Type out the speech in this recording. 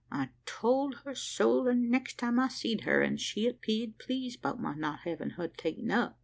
I told her so, the next time I seed her; an' she 'peared pleased 'bout my not havin' her ta'en up.